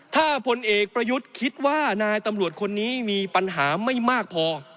ถ้าพลเอกประยุทธ์คิดว่านายตำรวจคนนี้มีปัญหาไม่มากพอ